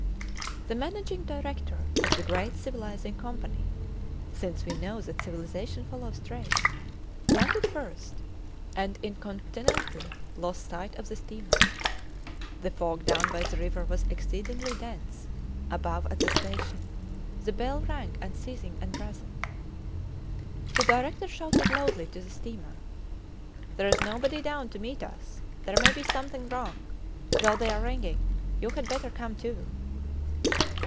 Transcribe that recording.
The Managing Director of the Great Civilizing Company (since we know that civilization follows trade) landed first, and incontinently lost sight of the steamer. The fog down by the river was exceedingly dense; above, at the station, the bell rang unceasing and brazen. The Director shouted loudly to the steamer: There is nobody down to meet us; there may be something wrong, though they are ringing. You had better come, too!